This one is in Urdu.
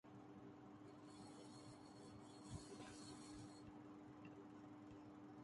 تو کیا ماڈل ٹاؤن جیسا کوئی حادثہ خارج از امکان ہے؟